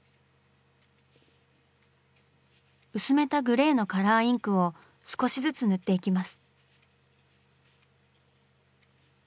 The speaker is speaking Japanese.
薄めたグレーのカラーインクを少しずつ塗っていきます。